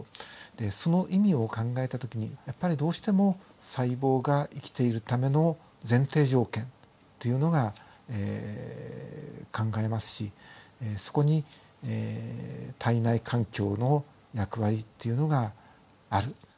その意味を考えた時にやっぱりどうしても細胞が生きているための前提条件っていうのが考えますしそこに体内環境の役割っていうのがある。